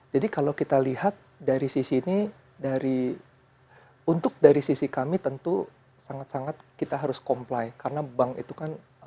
kalau kita lihat dari sisi ini dari untuk dari sisi kami tentu sangat sangat kita harus comply karena bank itu kan